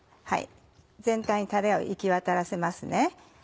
全体にタレを行き渡らせますね。